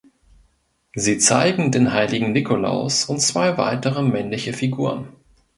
Sie zeigen den heiligen Nikolaus und zwei weitere männliche Figuren.